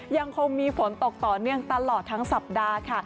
ยังคงมีฝนตกต่อเนื่องตลอดทั้งสัปดาห์ค่ะ